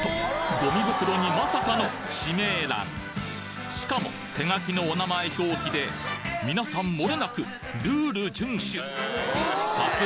ゴミ袋にまさかの氏名欄しかも手書きのお名前表記で皆さんもれなくルール遵守！